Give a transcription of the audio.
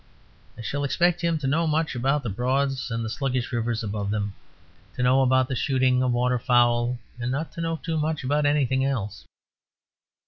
I shall expect him to know much about the Broads and the sluggish rivers above them; to know about the shooting of water fowl, and not to know too much about anything else.